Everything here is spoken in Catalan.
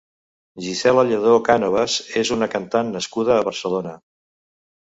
Gisela Lladó Cánovas és una cantant nascuda a Barcelona.